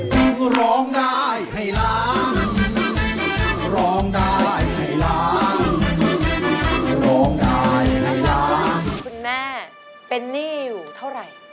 คุณแม่เป็นหนี้อยู่เท่าไหร่